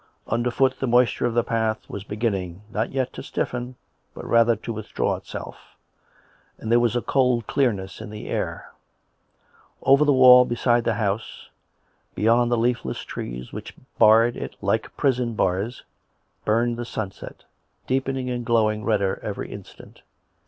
Under foot the moisture of the path was beginning, not yet to stiffen, but rather to withdraw itself; and there was a cold clearness in the air. Over the wall beside the house, beyond the leafless trees which barred it like prison bars, burned the s'unset, deepening and glowing redder every instant.